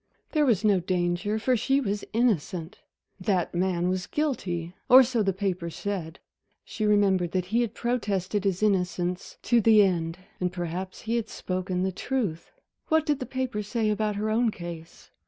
There was no danger, for she was innocent. That man was guilty or so the papers said. She remembered that he had protested his innocence to the end. And perhaps he had spoken the truth. What did the papers say about her own case?